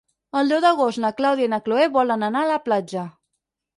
El deu d'agost na Clàudia i na Cloè volen anar a la platja.